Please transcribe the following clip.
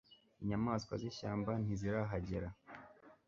inyamaswa z'ishyamba ntizirahagera